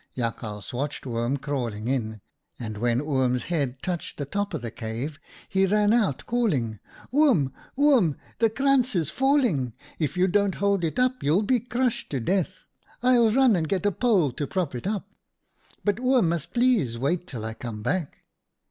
Jakhals watched Oom crawling in, and when Oom s head touched the top of the cave, he ran out, calling : 11 ' Oom, Oom, the krantz is falling. If you don't hold it up, you'll be crushed to death. I'll run and get a pole to prop it up, but Oom must please wait till I come back.'